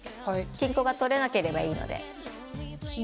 金粉が取れなければいいので。